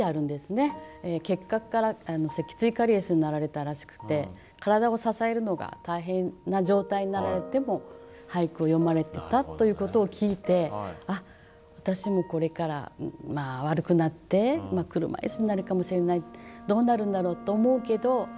結核から脊椎カリエスになられたらしくて体を支えるのが大変な状態になられても俳句を詠まれてたということを聞いて「あっ私もこれからまあ悪くなって車いすになるかもしれない。